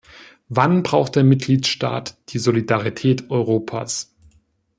Wann braucht der Mitgliedstaat die Solidarität Europas?